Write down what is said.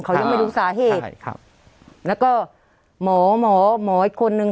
เขายังไม่รู้สาเหตุใช่ครับแล้วก็หมอหมออีกคนนึง